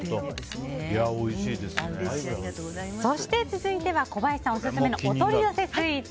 そして続いては小林さんオススメのお取り寄せスイーツ。